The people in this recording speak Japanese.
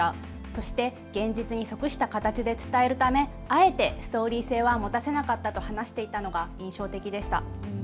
そして現実に即した形で伝えるため、あえてストーリー性は持たせなかったと話していたのが印象的でした。